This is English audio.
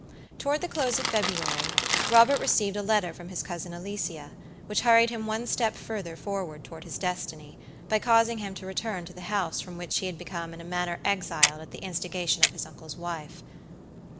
Toward the close of February, Robert received a letter from his cousin Alicia, which hurried him one step further forward toward his destiny, by causing him to return to the house from which he had become in a manner exiled at the instigation of his uncle's wife.